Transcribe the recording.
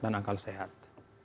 dan akal sehat